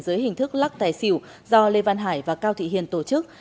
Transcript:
dưới hình thức lắc tài xỉu do lê văn hải và cao thị hiền tổ chức